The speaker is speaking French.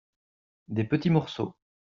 des petits morceaux.